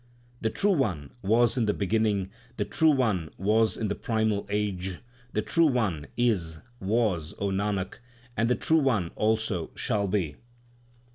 2 The True One was in the beginning ; The True One was in the primal age. The True One is, was, O Nanak, and the True One also shall be.